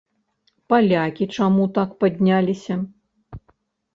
Палякі чаму так падняліся?